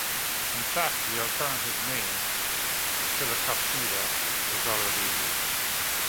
In fact the alternative name Filicopsida was already in use.